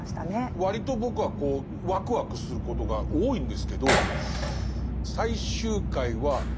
割と僕はワクワクすることが多いんですけど最終回は問題点をという。